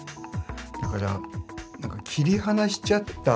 だから切り離しちゃった